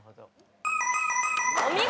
お見事！